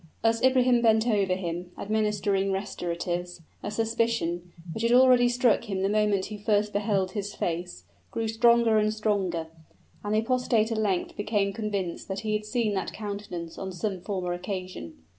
As Ibrahim bent over him, administering restoratives, a suspicion, which had already struck him the moment he first beheld his face, grew stronger and stronger; and the apostate at length became convinced that he had seen that countenance on some former occasion.